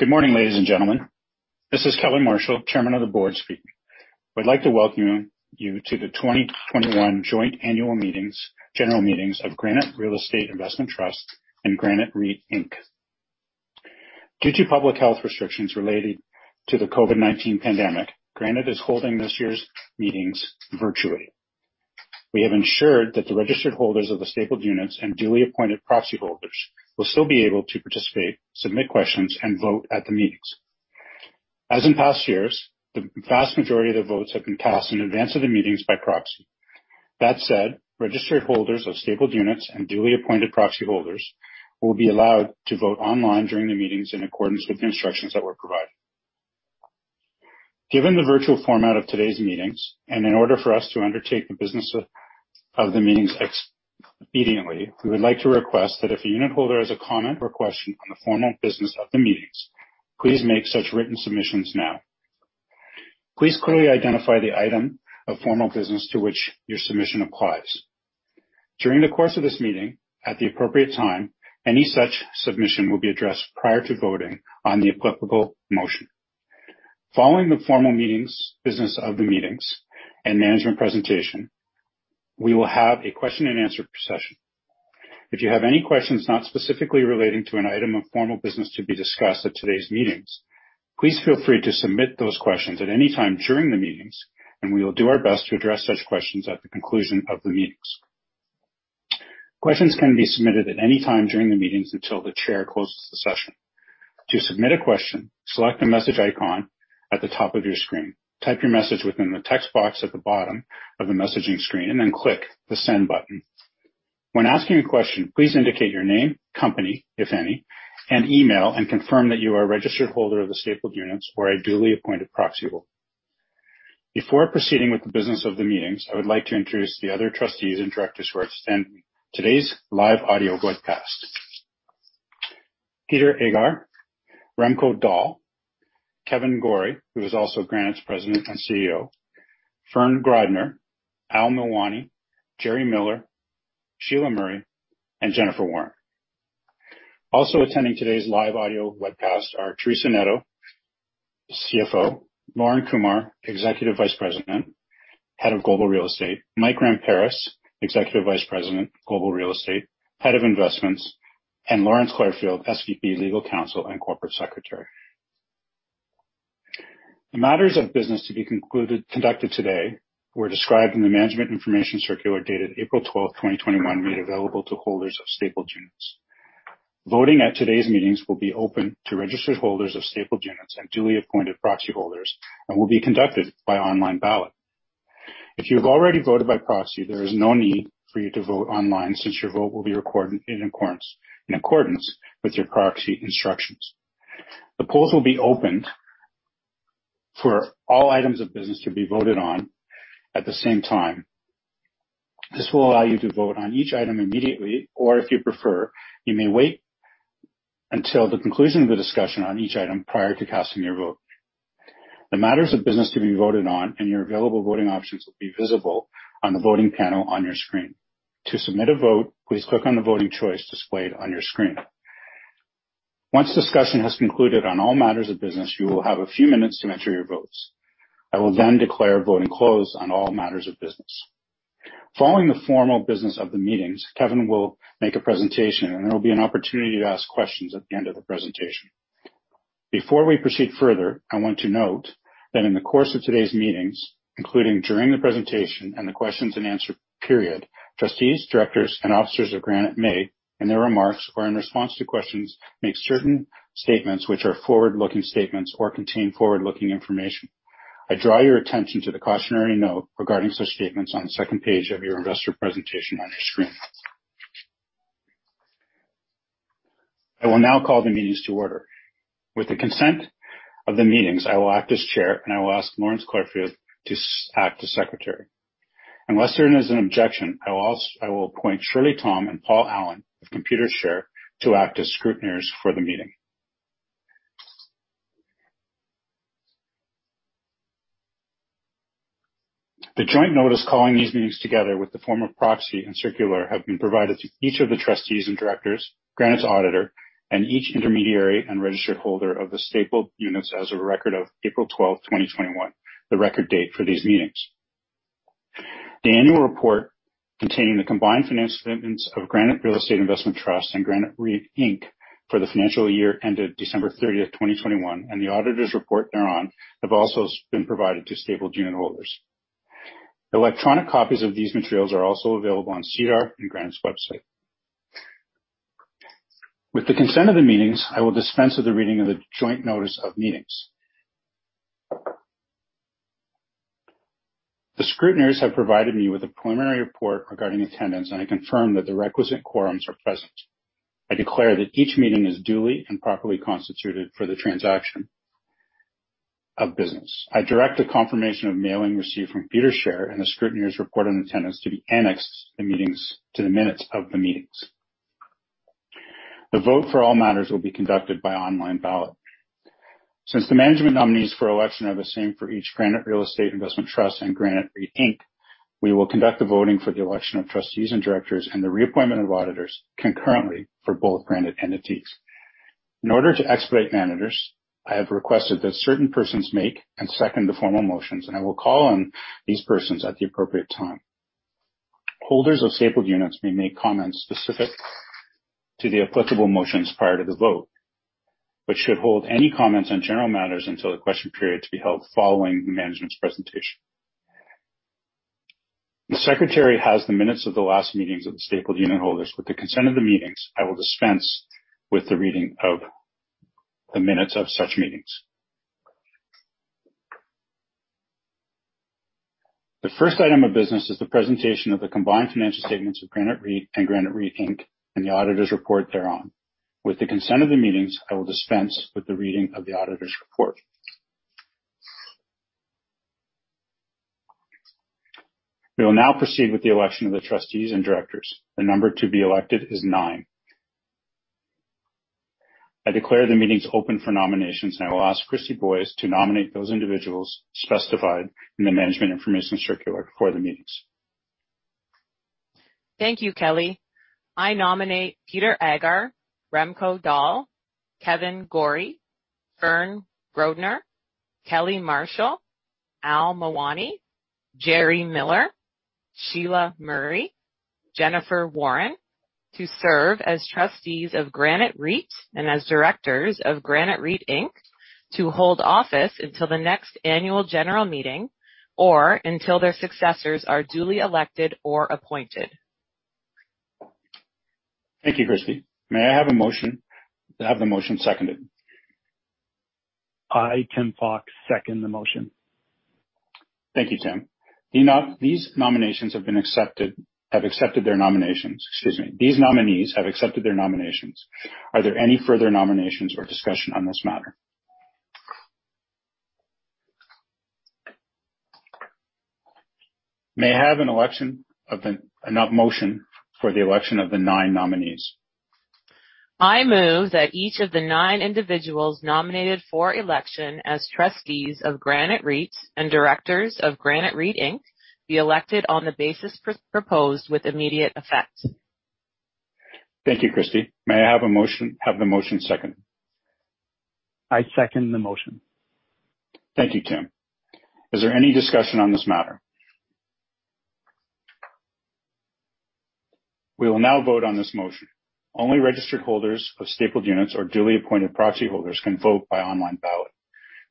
Good morning, ladies and gentlemen. This is Kelly Marshall, Chairman of the Board speaking. I'd like to welcome you to the 2021 Joint Annual Meetings, General meetings of Granite Real Estate Investment Trust and Granite REIT Inc due to public health restrictions related to the COVID-19 pandemic, Granite is holding this year's meetings virtually. We have ensured that the registered holders of the stapled units and duly appointed proxy holders will still be able to participate, submit questions, and vote at the meetings. As in past years, the vast majority of the votes have been cast in advance of the meetings by proxy. That said, registered holders of stapled units and duly appointed proxy holders will be allowed to vote online during the meetings in accordance with the instructions that were provided. Given the virtual format of today's meetings, and in order for us to undertake the business of the meetings expediently, we would like to request that if a unitholder has a comment or question on a formal business of the meetings, please make such written submissions now. Please clearly identify the item of formal business to which your submission applies. During the course of this meeting, at the appropriate time, any such submission will be addressed prior to voting on the applicable motion. Following the formal meetings, business of the meetings, and management presentation, we will have a question and answer session. If you have any questions not specifically relating to an item of formal business to be discussed at today's meetings, please feel free to submit those questions at any time during the meetings, and we will do our best to address such questions at the conclusion of the meetings. Questions can be submitted at any time during the meetings until the chair closes the session. To submit a question, select the message icon at the top of your screen. Type your message within the text box at the bottom of the messaging screen, and then click the send button. When asking a question, please indicate your name, company, if any, and email, and confirm that you are a registered holder of the stapled units or a duly appointed proxy holder. Before proceeding with the business of the meetings, I would like to introduce the other trustees and directors who are attending today's live audio webcast. Peter Aghar, Remco Daal, Kevan Gorrie, who is also Granite's President and CEO, Fern Grodner, Al Mawani, Gerald Miller, Sheila Murray, and Jennifer Warren. Also attending today's live audio webcast are Teresa Neto, CFO, Lorne Kumer, Executive Vice President, Head of Global Real Estate, Michael Ramparas, Executive Vice President, Global Real Estate, Head of Investments, and Lawrence Clarfield, SVP, Legal Counsel, and Corporate Secretary. The matters of business to be conducted today were described in the management information circular dated April 12, 2021, made available to holders of stapled units. Voting at today's meetings will be open to registered holders of stapled units and duly appointed proxy holders and will be conducted by online ballot. If you have already voted by proxy, there is no need for you to vote online since your vote will be recorded in accordance with your proxy instructions. The polls will be opened for all items of business to be voted on at the same time. This will allow you to vote on each item immediately, or if you prefer, you may wait until the conclusion of the discussion on each item prior to casting your vote. The matters of business to be voted on and your available voting options will be visible on the voting panel on your screen. To submit a vote, please click on the voting choice displayed on your screen. Once discussion has concluded on all matters of business, you will have a few minutes to enter your votes. I will then declare voting closed on all matters of business. Following the formal business of the meetings, Kevan will make a presentation, and there'll be an opportunity to ask questions at the end of the presentation. Before we proceed further, I want to note that in the course of today's meetings, including during the presentation and the questions and answer period, trustees, directors, and officers of Granite may, in their remarks or in response to questions, make certain statements which are forward-looking statements or contain forward-looking information. I draw your attention to the cautionary note regarding such statements on the second page of your investor presentation on your screen. I will now call the meetings to order. With the consent of the meetings, I will act as chair, and I will ask Lawrence Clarfield to act as secretary. Unless there is an objection, I will appoint Shirley Tong and Paul Allen of Computershare to act as scrutineers for the meeting. The joint notice calling these meetings, together with the form of proxy and circular, have been provided to each of the trustees and directors, Granite's auditor, and each intermediary and registered holder of the stapled units as a record of April 12th, 2021, the record date for these meetings. The annual report containing the combined financial statements of Granite Real Estate Investment Trust and Granite REIT Inc for the financial year ended December 30th, 2021, and the auditor's report thereon have also been provided to stapled unit holders. Electronic copies of these materials are also available on SEDAR and Granite's website. With the consent of the meetings, I will dispense with the reading of the joint notice of meetings. The scrutineers have provided me with a preliminary report regarding attendance, and I confirm that the requisite quorums are present. I declare that each meeting is duly and properly constituted for the transaction of business. I direct the confirmation of mailing received from Computershare and the scrutineers' report on attendance to be annexed to the minutes of the meetings. The vote for all matters will be conducted by online ballot. Since the management nominees for election are the same for each Granite Real Estate Investment Trust and Granite REIT Inc, we will conduct the voting for the election of trustees and directors and the reappointment of auditors concurrently for both Granite entities. In order to expedite matters, I have requested that certain persons make and second the formal motions, and I will call on these persons at the appropriate time. Holders of stapled units may make comments specific to the applicable motions prior to the vote but should hold any comments on general matters until the question period to be held following the management's presentation. The secretary has the minutes of the last meetings of the stapled unitholders. With the consent of the meetings, I will dispense with the reading of the minutes of such meetings. The first item of business is the presentation of the combined financial statements of Granite REIT and Granite REIT Inc, and the auditor's report thereon. With the consent of the meetings, I will dispense with the reading of the auditor's report. We will now proceed with the election of the trustees and directors. The number to be elected is nine. I declare the meetings open for nominations, and I will ask Kristy Boys to nominate those individuals specified in the management information circular for the meetings. Thank you, Kelly. I nominate Peter Aghar, Remco Daal, Kevan Gorrie, Fern Grodner, Kelly Marshall, Al Mawani, Gerald Miller, Sheila Murray, Jennifer Warren, to serve as trustees of Granite REIT and as directors of Granite REIT Inc to hold office until the next annual general meeting or until their successors are duly elected or appointed. Thank you, Kristy. May I have the motion seconded? I am Tim Fox, second the motion. Thank you, Tim. These nominees have accepted their nominations. Are there any further nominations or discussion on this matter? May I have a motion for the election of the nine nominees? I move that each of the 9 individuals nominated for election as trustees of Granite REIT and directors of Granite REIT Inc. be elected on the basis proposed with immediate effect. Thank you, Kristy. May I have the motion seconded? I second the motion. Thank you, Tim. Is there any discussion on this matter? We will now vote on this motion. Only registered holders of stapled units or duly appointed proxy holders can vote by online ballot.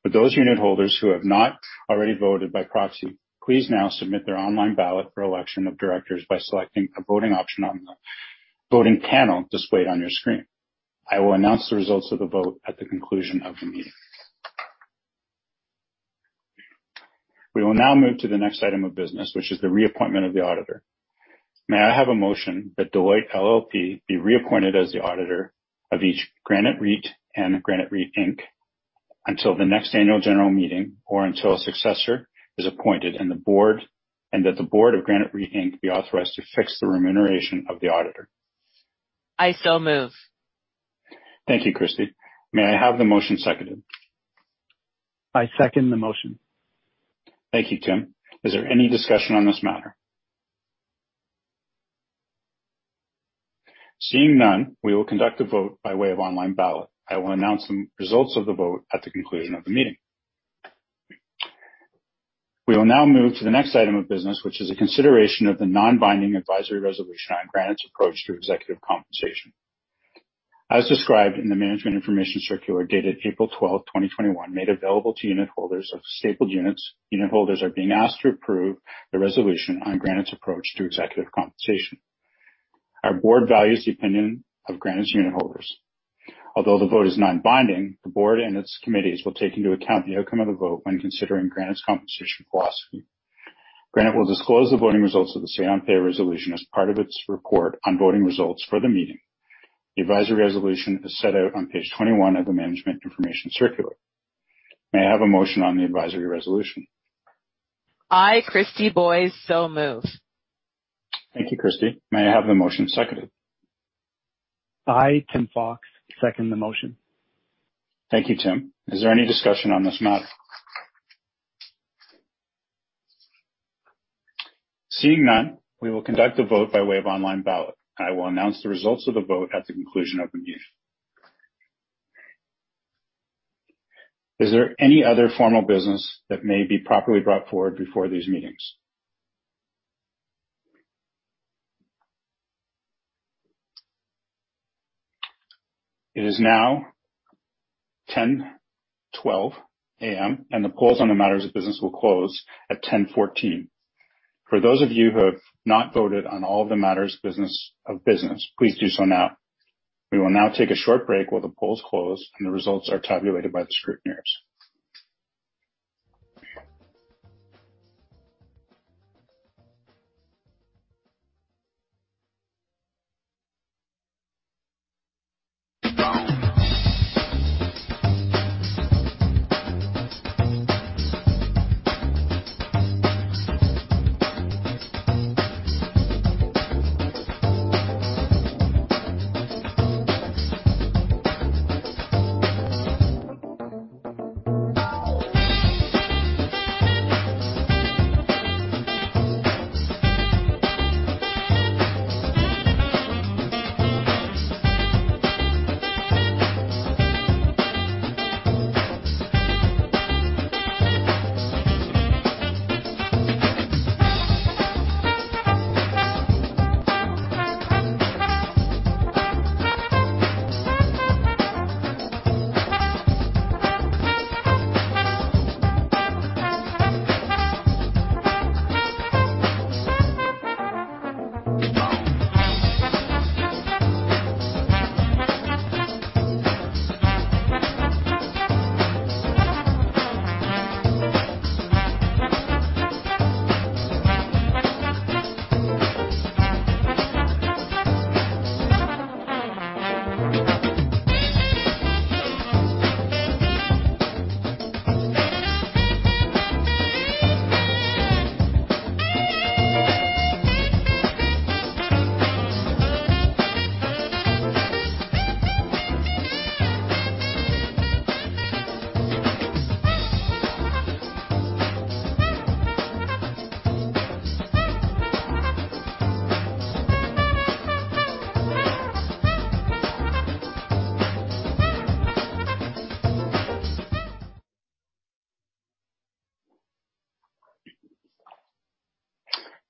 For those unitholders who have not already voted by proxy, please now submit their online ballot for election of directors by selecting a voting option on the voting panel displayed on your screen. I will announce the results of the vote at the conclusion of the meeting. We will now move to the next item of business, which is the reappointment of the auditor. May I have a motion that Deloitte LLP be reappointed as the auditor of each Granite REIT and Granite REIT Inc until the next annual general meeting, or until a successor is appointed, and that the board of Granite REIT Inc. be authorized to fix the remuneration of the auditor? I so move. Thank you, Kristy. May I have the motion seconded? I second the motion. Thank you, Tim. Is there any discussion on this matter? Seeing none, we will conduct a vote by way of online ballot. I will announce the results of the vote at the conclusion of the meeting. We will now move to the next item of business, which is a consideration of the non-binding advisory resolution on Granite's approach to executive compensation. As described in the management information circular dated April 12, 2021, made available to unitholders of stapled units, unitholders are being asked to approve the resolution on Granite's approach to executive compensation. Our board values the opinion of Granite's unitholders. Although the vote is non-binding, the board and its committees will take into account the outcome of the vote when considering Granite's compensation philosophy. Granite will disclose the voting results of the say on pay resolution as part of its report on voting results for the meeting. The advisory resolution is set out on page 21 of the management information circular. May I have a motion on the advisory resolution? I, Kristy Boys, so move. Thank you, Kristy. May I have the motion seconded? I, Tim Fox, second the motion. Thank you, Tim. Is there any discussion on this matter? Seeing none, we will conduct a vote by way of online ballot, and I will announce the results of the vote at the conclusion of the meeting. Is there any other formal business that may be properly brought forward before these meetings? It is now 10:12 A.M., and the polls on the matters of business will close at 10:14. For those of you who have not voted on all the matters of business, please do so now. We will now take a short break while the polls close and the results are tabulated by the scrutineers.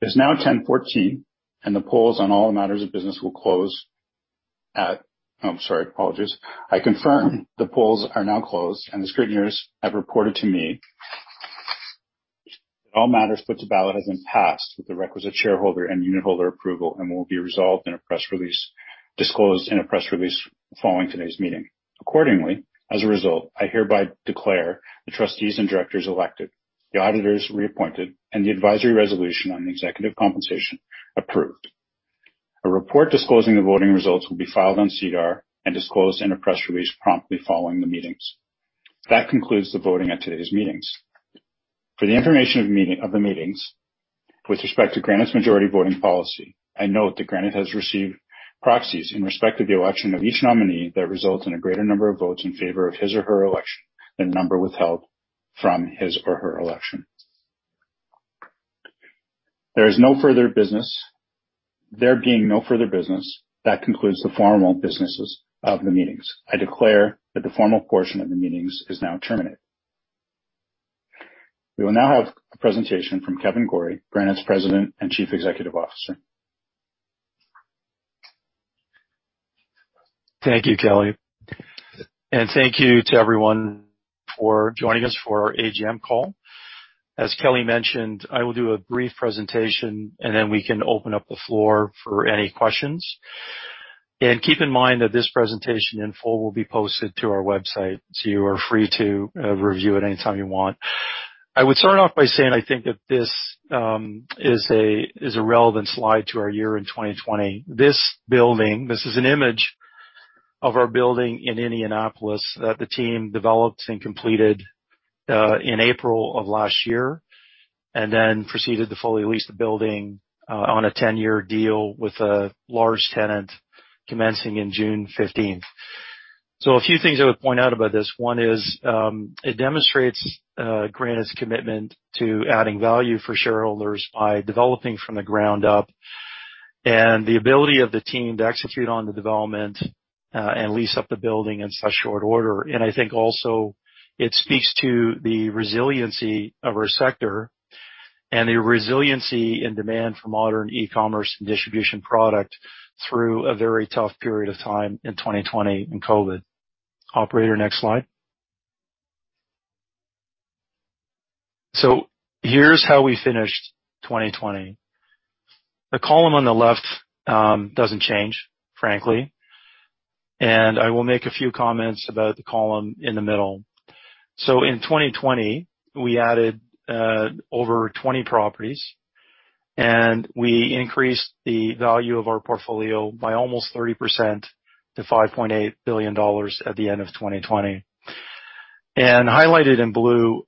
It's now 10:14, and the polls on all matters of business will close at I'm sorry. Apologies. I confirm the polls are now closed, and the scrutineers have reported to me that all matters put to ballot have been passed with the requisite shareholder and unitholder approval and will be disclosed in a press release following today's meeting. Accordingly, as a result, I hereby declare the trustees and directors elected, the auditors reappointed, and the advisory resolution on executive compensation approved. A report disclosing the voting results will be filed on SEDAR and disclosed in a press release promptly following the meetings. That concludes the voting at today's meetings. For the information of the meetings with respect to Granite's majority voting policy, I note that Granite has received proxies in respect of the election of each nominee that results in a greater number of votes in favor of his or her election than the number withheld from his or her election. There is no further business. There being no further business, that concludes the formal businesses of the meetings. I declare that the formal portion of the meetings is now terminated. We will now have a presentation from Kevan Gorrie, Granite's President and Chief Executive Officer. Thank you, Kelly, and thank you to everyone for joining us for our AGM call. As Kelly mentioned, I will do a brief presentation, and then we can open up the floor for any questions. Keep in mind that this presentation in full will be posted to our website, so you are free to review it anytime you want. I would start off by saying I think that this is a relevant slide to our year in 2020. This is an image of our building in Indianapolis that the team developed and completed in April of last year, then proceeded to fully lease the building on a 10-year deal with a large tenant commencing in June 15th. A few things I would point out about this. One is it demonstrates Granite's commitment to adding value for shareholders by developing from the ground up and the ability of the team to execute on the development, and lease up the building in such short order. I think also it speaks to the resiliency of our sector and the resiliency and demand for modern e-commerce and distribution product through a very tough period of time in 2020 in COVID. Operator, next slide. Here's how we finished 2020. The column on the left doesn't change, frankly, and I will make a few comments about the column in the middle. In 2020, we added over 20 properties, and we increased the value of our portfolio by almost 30% to 5.8 billion dollars at the end of 2020. Highlighted in blue,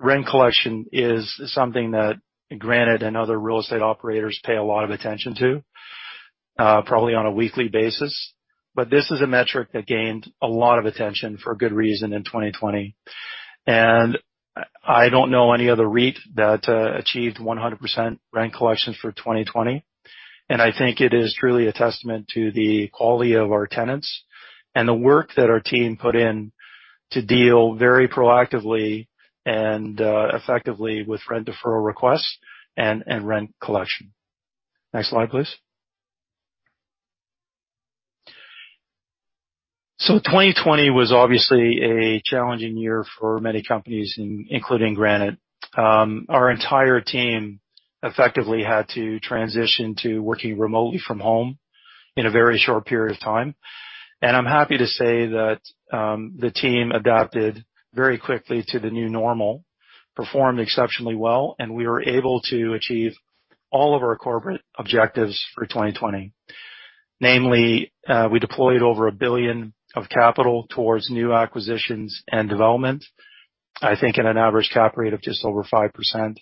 rent collection is something that Granite and other real estate operators pay a lot of attention to, probably on a weekly basis. This is a metric that gained a lot of attention for good reason in 2020. I don't know any other REIT that achieved 100% rent collections for 2020. I think it is truly a testament to the quality of our tenants and the work that our team put in to deal very proactively and effectively with rent deferral requests and rent collection. Next slide, please. 2020 was obviously a challenging year for many companies, including Granite. Our entire team effectively had to transition to working remotely from home in a very short period of time. I'm happy to say that the team adapted very quickly to the new normal, performed exceptionally well, and we were able to achieve all of our corporate objectives for 2020. Namely, we deployed over 1 billion of capital towards new acquisitions and development, I think at an average cap rate of just over 5%.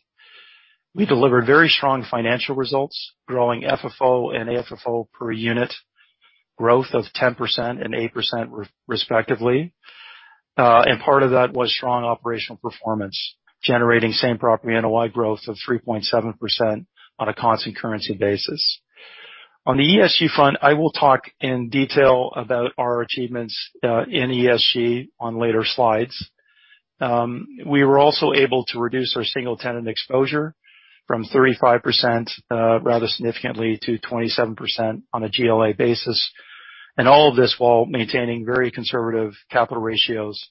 We delivered very strong financial results, growing FFO and AFFO per unit growth of 10% and 8%, respectively. Part of that was strong operational performance, generating same property NOI growth of 3.7% on a constant currency basis. On the ESG front, I will talk in detail about our achievements in ESG on later slides. We were also able to reduce our single tenant exposure from 35%, rather significantly, to 27% on a GLA basis. All of this while maintaining very conservative capital ratios,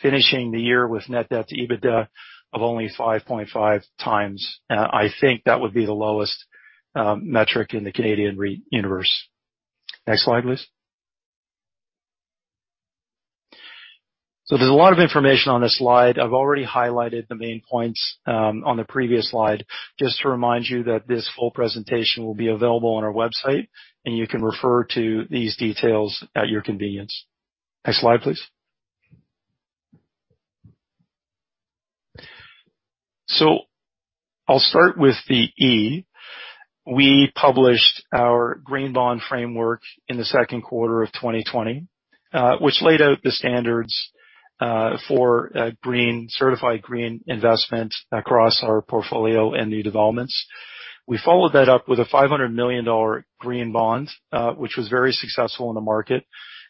finishing the year with net debt to EBITDA of only 5.5 times. I think that would be the lowest metric in the Canadian REIT universe. Next slide, please. There's a lot of information on this slide. I've already highlighted the main points on the previous slide. Just to remind you that this full presentation will be available on our website, and you can refer to these details at your convenience. Next slide, please. I'll start with the E. We published our green bond framework in the second quarter of 2020, which laid out the standards for certified green investment across our portfolio and new developments. We followed that up with a 500 million dollar green bond, which was very successful in the market,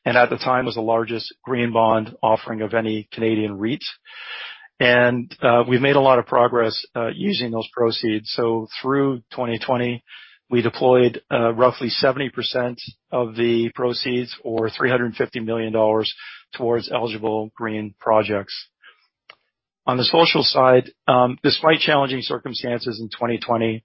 and at the time, was the largest green bond offering of any Canadian REIT. We've made a lot of progress using those proceeds. Through 2020, we deployed roughly 70% of the proceeds or 350 million dollars towards eligible green projects. On the social side, despite challenging circumstances in 2020,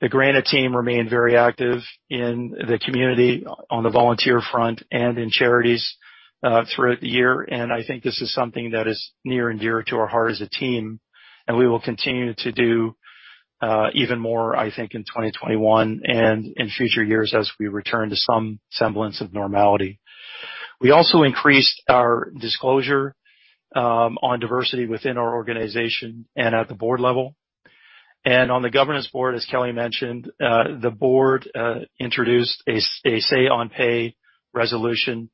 the Granite remained very active in the community, on the volunteer front, and in charities throughout the year. I think this is something that is near and dear to our heart as a team, and we will continue to do even more, I think, in 2021 and in future years as we return to some semblance of normality. We also increased our disclosure on diversity within our organization and at the board level. On the governance board, as Kelly mentioned, the board introduced a say on pay resolution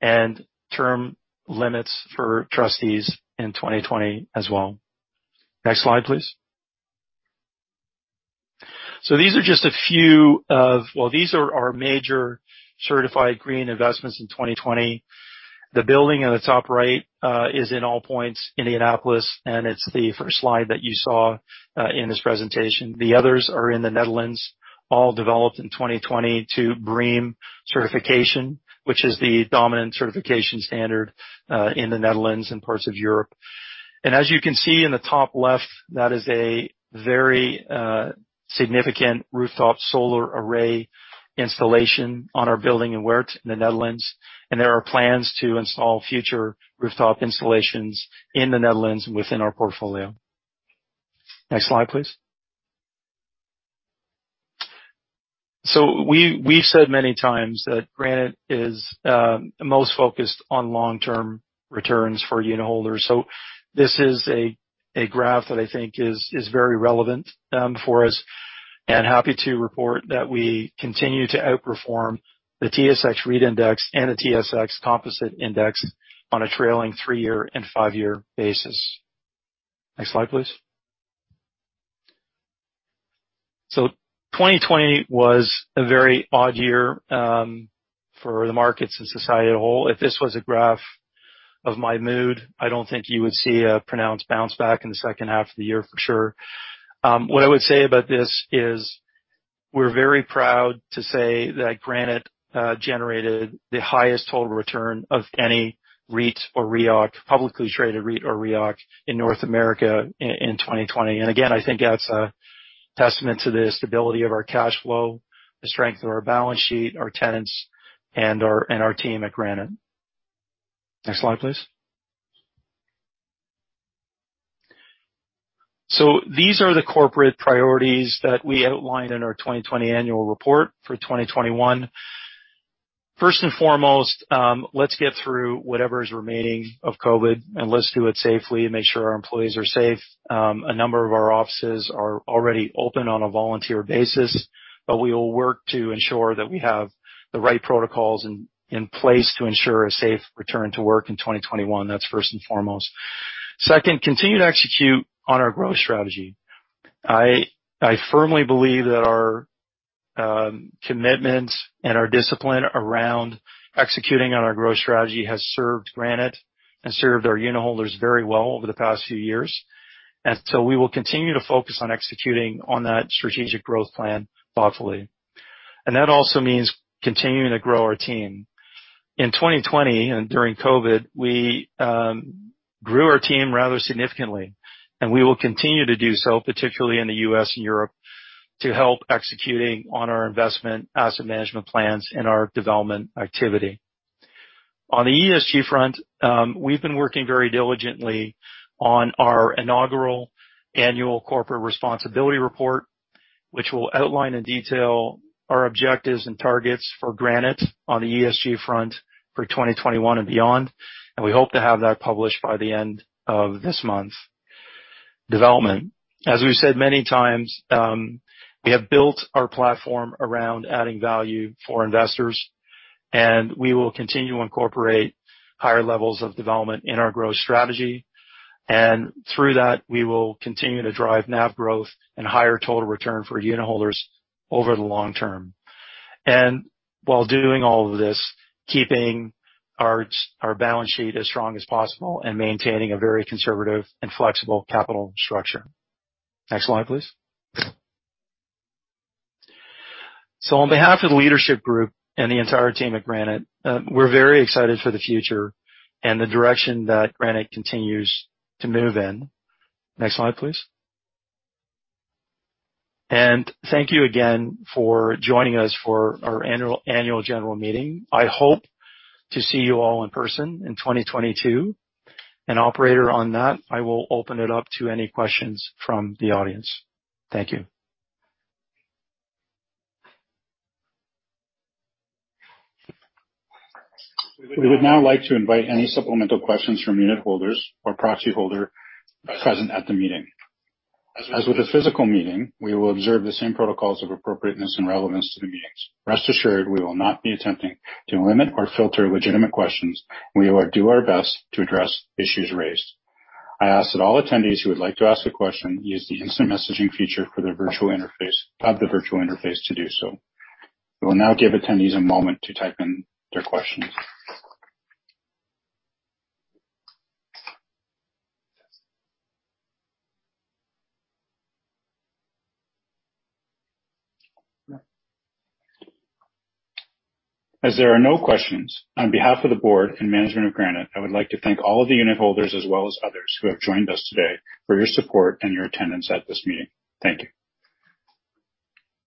and term limits for trustees in 2020 as well. Next slide, please. These are our major certified green investments in 2020. The building on the top right is AllPoints Midwest, and it's the first slide that you saw in this presentation. The others are in the Netherlands, all developed in 2020 to BREEAM certification, which is the dominant certification standard in the Netherlands and parts of Europe. As you can see in the top left, that is a very significant rooftop solar array installation on our building in Weert in the Netherlands. There are plans to install future rooftop installations in the Netherlands within our portfolio. Next slide, please. We've said many times that Granite is most focused on long-term returns for unitholders. This is a graph that I think is very relevant for us, and happy to report that we continue to outperform the S&P/TSX Capped REIT Index and the S&P/TSX Composite Index on a trailing three-year and five-year basis. Next slide, please. 2020 was a very odd year for the markets and society as a whole. If this was a graph of my mood, I don't think you would see a pronounced bounce back in the second half of the year, for sure. What I would say about this is we're very proud to say that Granite generated the highest total return of any REIT or REOC, publicly traded REIT or REOC in North America in 2020. Again, I think that's a testament to the stability of our cash flow, the strength of our balance sheet, our tenants, and our team at Granite. Next slide, please. These are the corporate priorities that we outlined in our 2020 annual report for 2021. First and foremost, let's get through whatever is remaining of COVID-19, and let's do it safely and make sure our employees are safe. A number of our offices are already open on a volunteer basis, but we will work to ensure that we have the right protocols in place to ensure a safe return to work in 2021. That's first and foremost. Second, continue to execute on our growth strategy. I firmly believe that our commitment and our discipline around executing on our growth strategy has served Granite and served our unitholders very well over the past few years. We will continue to focus on executing on that strategic growth plan thoughtfully. That also means continuing to grow our team. In 2020 and during COVID-19, we grew our team rather significantly, and we will continue to do so, particularly in the U.S. and Europe, to help executing on our investment asset management plans and our development activity. On the ESG front, we've been working very diligently on our inaugural annual corporate responsibility report. Which will outline in detail our objectives and targets for Granite on the ESG front for 2021 and beyond, and we hope to have that published by the end of this month. Development. As we've said many times, we have built our platform around adding value for investors, and we will continue to incorporate higher levels of development in our growth strategy. Through that, we will continue to drive NAV growth and higher total return for unitholders over the long term. While doing all of this, keeping our balance sheet as strong as possible and maintaining a very conservative and flexible capital structure. Next slide, please. On behalf of the leadership group and the entire team at Granite, we're very excited for the future and the direction that Granite continues to move in. Next slide, please. Thank you again for joining us for our annual general meeting. I hope to see you all in person in 2022. Operator, on that, I will open it up to any questions from the audience. Thank you. We would now like to invite any supplemental questions from unitholders or proxyholder present at the meeting. As with the physical meeting, we will observe the same protocols of appropriateness and relevance to the meetings. Rest assured, we will not be attempting to limit or filter legitimate questions. We will do our best to address issues raised. I ask that all attendees who would like to ask a question use the instant messaging feature of the virtual interface to do so. We will now give attendees a moment to type in their questions. As there are no questions, on behalf of the board and management of Granite, I would like to thank all of the unitholders, as well as others who have joined us today, for your support and your attendance at this meeting. Thank you.